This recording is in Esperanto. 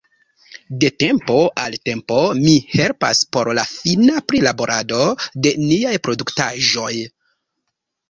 De tempo al tempo mi helpas por la fina prilaborado de niaj produktaĵoj.